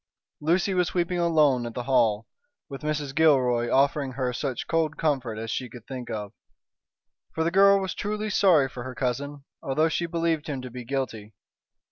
Lucy was weeping alone at the Hall, with Mrs. Gilroy offering her such cold comfort as she could think of. For the girl was truly sorry for her cousin, although she believed him to be guilty.